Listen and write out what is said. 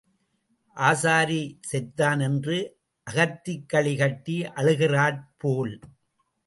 ஆசாரி செத்தான் என்று அகத்திக் கழி கட்டி அழுகிறாற்போல்.